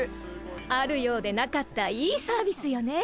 あるようでなかったいいサービスよね。